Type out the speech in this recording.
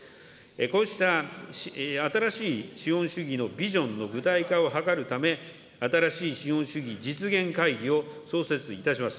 こうした新しい資本主義のビジョンの具体化を図るため、新しい資本主義実現会議を創設いたします。